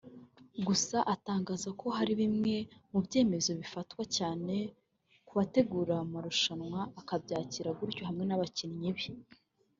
gusa atangaza ko hari bimwe mu byemezo bifatwa cyane ku bategura marushanwa akabyakira gutyo hamwe n’abakinnyi be